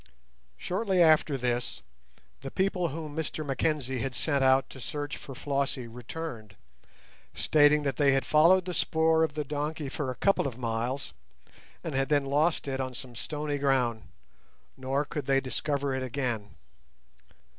Shortly after this, the people whom Mr Mackenzie had sent out to search for Flossie returned, stating that they had followed the spoor of the donkey for a couple of miles and had then lost it on some stony ground, nor could they discover it again.